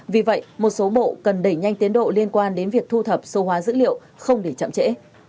vì vậy một số bộ cần đẩy nhanh tiến độ liên quan đến việc thu thập số hóa dữ liệu không để chậm trễ